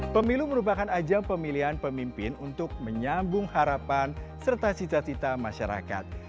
pemilu merupakan ajang pemilihan pemimpin untuk menyambung harapan serta cita cita masyarakat